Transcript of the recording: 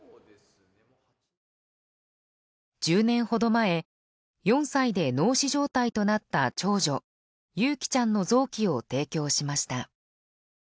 １０年ほど前４歳で脳死状態となった長女優希ちゃんの臓器を提供しました。